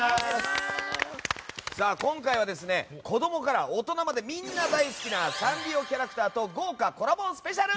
今回は子供から大人までみんな大好きなサンリオキャラクターと豪華コラボスペシャル！